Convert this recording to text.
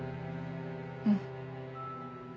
うん。